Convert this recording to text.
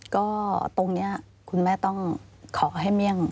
ก็ตรงนี้คุณแม่ต้องขอให้เมี่ยง